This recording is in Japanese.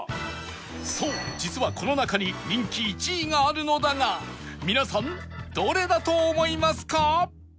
そう実はこの中に人気１位があるのだが皆さんどれだと思いますか？